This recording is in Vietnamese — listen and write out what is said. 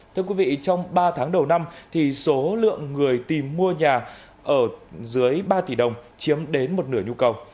thưa quý vị trong ba tháng đầu năm thì số lượng người tìm mua nhà ở dưới ba tỷ đồng chiếm đến một nửa nhu cầu